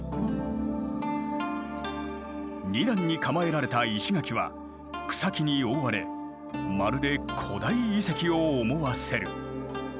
２段に構えられた石垣は草木に覆われまるで古代遺跡を思わせる。